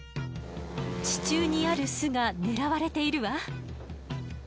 地中にある巣が狙われているわ。